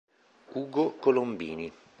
Ugo Colombini